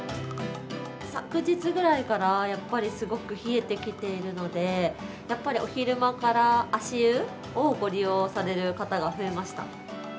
昨日ぐらいからやっぱりすごく冷えてきているので、やっぱりお昼間から足湯をご利用される方が増えました。